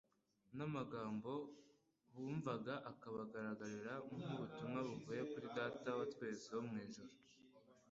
n'amagambo bumvaga akabagaragarira nk'ubutumwa buvuye kuri Data wa twese wo mu ijuru.